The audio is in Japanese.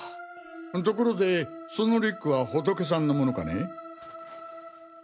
ところでそのリュックは仏さんのものかね？